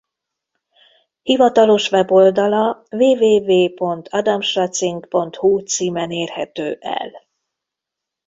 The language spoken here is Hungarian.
Hivatalos weboldala www.adamsracing.hu címen érhető el.